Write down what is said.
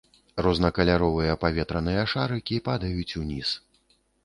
Рознакаляровыя паветраныя шарыкі падаюць уніз.